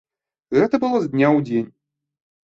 Гэта было з дня ў дзень.